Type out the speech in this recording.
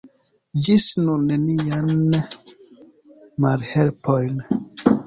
Ĝis nun neniajn malhelpojn.